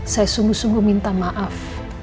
saya sungguh sungguh minta maaf